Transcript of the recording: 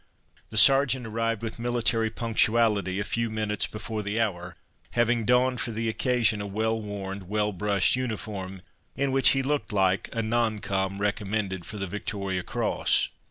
The Sergeant arrived with military punctuality, a few minutes before the hour, having donned for the occasion a well worn, well brushed uniform, in which he looked like a "non com." recommended for the Victoria Cross.